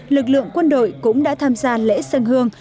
lực lượng quân đội cũng đã tham gia lễ dân hương